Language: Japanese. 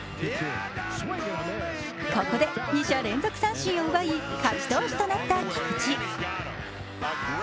ここで２者連続三振を奪い勝ち投手となった菊池。